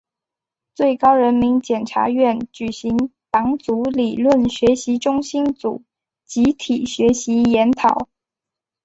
最高人民检察院举行党组理论学习中心组集体学习研讨